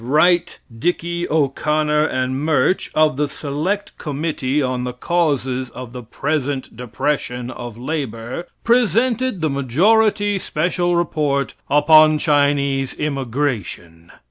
Wright, Dickey, O'Conner and Murch, of the select committee on the causes of the present depression of labor, presented the majority special report upon Chinese immigration.